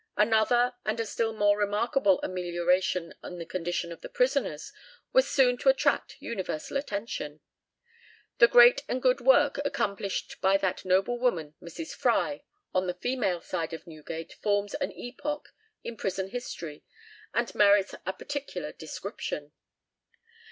Another and a still more remarkable amelioration in the condition of the prisoners was soon to attract universal attention. The great and good work accomplished by that noble woman Mrs. Fry on the female side of Newgate forms an epoch in prison history, and merits a particular description.